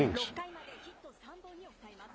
６回までヒット３本に抑えます。